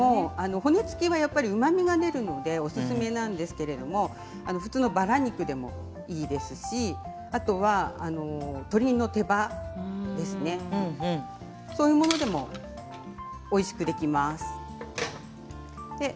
骨付きはうまみが出るのでおすすめですが普通のバラ肉でもいいですし鶏の手羽、そういうものでもおいしくできます。